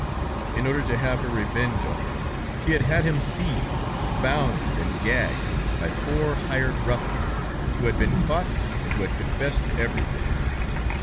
In order to have her revenge on him, she had had him seized, bound and gagged by four hired ruffians, who had been caught, and who had confessed everything.